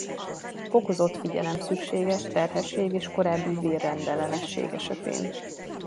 Fokozott figyelem szükséges terhesség és korábbi vér-rendellenesség esetén.